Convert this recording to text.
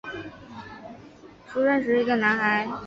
李庆烨于首尔附近的城南市出生时是一个男孩。